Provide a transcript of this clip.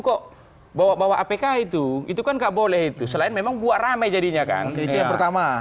kok bawa bawa apk itu itu kan nggak boleh itu selain memang buat ramai jadinya kan itu yang pertama